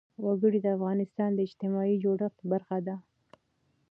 وګړي د افغانستان د اجتماعي جوړښت برخه ده.